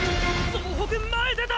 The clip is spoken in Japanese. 総北前出た！！